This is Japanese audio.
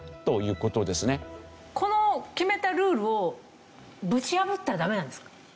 この決めたルールをぶち破ったらダメなんですか？